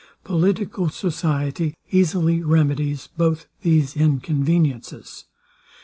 Political society easily remedies both these inconveniences.